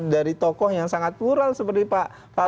dari tokoh yang sangat plural seperti pak